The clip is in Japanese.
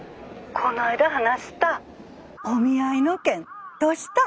この間話したお見合いの件どした？